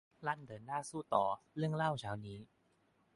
ลั่นเดินหน้าสู้ต่อ เรื่องเล่าเช้านี้